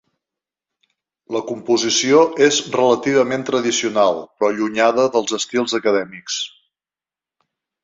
La composició és relativament tradicional, però allunyada dels estils acadèmics.